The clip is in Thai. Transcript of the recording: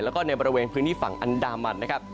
แล้วก็ในบริเวณพื้นที่ฝั่งอันดามันนะครับ